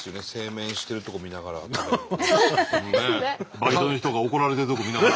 バイトの人が怒られてるとこ見ながら。